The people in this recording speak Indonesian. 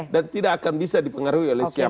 dan tidak akan bisa dipengaruhi oleh siapapun